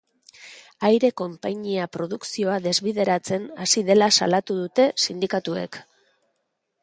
Aire-konpainia produkzioa desbideratzen hasi dela salatu dute sindikatuek.